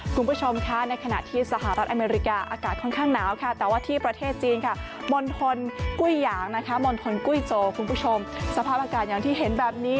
ขุมผู้ชมค่ะในขณะที่สหรัฐอเมริกาอากาศค่อนข้างหนาวแต่ว่าที่ประเทศจีนบนทนกุ้ยยางบนทนกุ้ยโจขุกับสภาพอาการอย่างที่เห็นแบบนี้